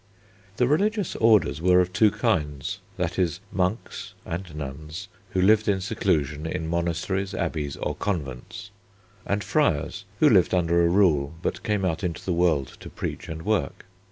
The religious orders were of two kinds, viz. monks (and nuns) who lived in seclusion in monasteries, abbeys, or convents, and friars, who lived under a rule but came out into the world to preach and work.